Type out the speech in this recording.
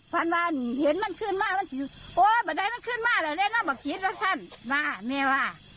ฟันวานเห็นมันขึ้นมามันสิโอ้ยแบบไหนมันขึ้นมาแล้วเนี่ยน้องบอกชิดแล้วฉันมาแม่ว่า